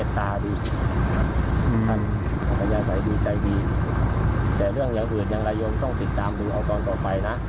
แต่เรื่องอย่างอื่นอย่างไรยังต้องติดตามดูเอาตอนต่อไปนะ